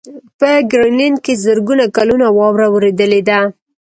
په ګرینلنډ کې زرګونه کلونه واوره ورېدلې ده